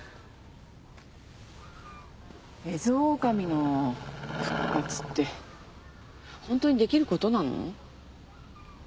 エゾオオカミの復活って本当にできることなの？